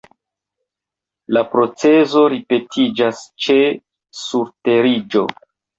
La procezo ripetiĝas ĉe surteriĝo.